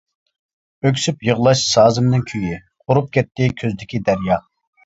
ئۆكسۈپ يىغلاش سازىمنىڭ كۈيى، قۇرۇپ كەتتى كۆزدىكى دەريا.